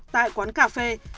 tại quán cà phê